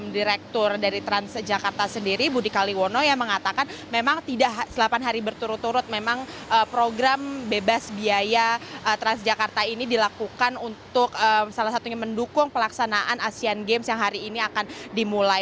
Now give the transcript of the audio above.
direktur dari transjakarta sendiri budi kaliwono yang mengatakan memang tidak delapan hari berturut turut memang program bebas biaya transjakarta ini dilakukan untuk salah satunya mendukung pelaksanaan asean games yang hari ini akan dimulai